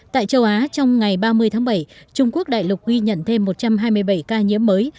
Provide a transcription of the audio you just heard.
tại châu á trong ngày ba mươi tháng bảy trung quốc đại lục ghi nhận thêm một trăm hai mươi bảy ca nhiễm mới